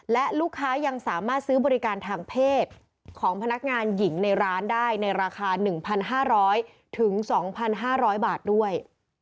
และลูกค้ายังสามารถซื้อบริการทางเพศของพนักงานหญิงในร้านได้ในราคา๑๕๐๐๒๕๐๐บาทด้วย